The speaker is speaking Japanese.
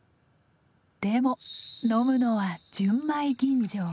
でも飲むのは純米吟醸。